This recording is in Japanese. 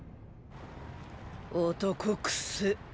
男くっせ。